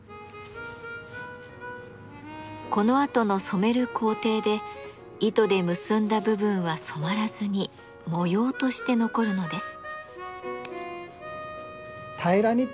このあとの染める工程で糸で結んだ部分は染まらずに模様として残るのです。